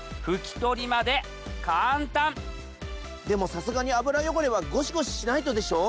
でもさすがに油汚れはゴシゴシしないとでしょ？